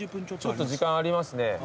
ちょっと時間ありますね。